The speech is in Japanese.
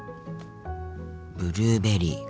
ブルーベリーか。